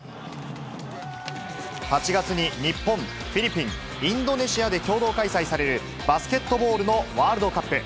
８月に日本、フィリピン、インドネシアで共同開催されるバスケットボールのワールドカップ。